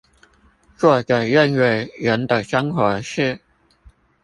作者認為人的生活是